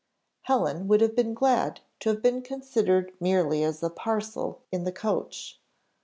Helen would have been glad to have been considered merely as a parcel in the coach.